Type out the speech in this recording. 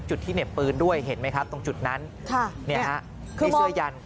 จุดที่เหน็บปืนด้วยเห็นไหมครับตรงจุดนั้นมีเสื้อยัน